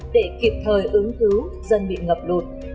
để kịp thời ứng cứu dân bị ngập lụt